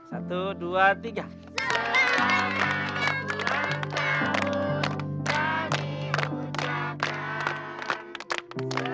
satu dua tiga